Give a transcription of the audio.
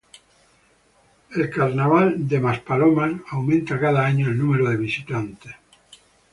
El Carnaval del Maspalomas aumenta cada año el número de visitantes.